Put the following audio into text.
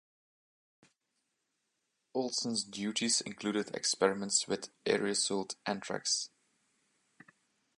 Olson's duties included experiments with aerosolized anthrax.